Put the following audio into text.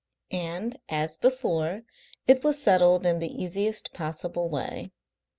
And, as before, it was settled in the easiest possible way.